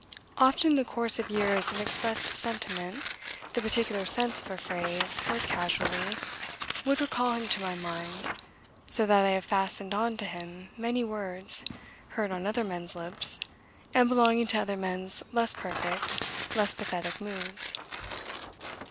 Often in the course of years an expressed sentiment, the particular sense of a phrase heard casually, would recall him to my mind so that I have fastened on to him many words heard on other men's lips and belonging to other men's less perfect, less pathetic moods.